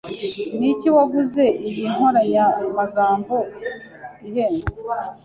Niki waguze iyi nkoranyamagambo ihenze?